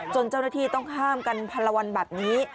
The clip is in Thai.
จนเจ้าหน้าที่ต้องห้ามกันภารวรแบบนี้